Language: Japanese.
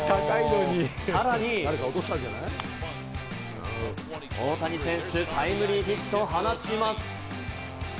さらに大谷選手、タイムリーヒットを放ちます。